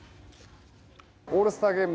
オールスターゲーム